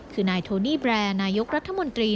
คือนายโทนี่แบรนด์นายกรัฐมนตรี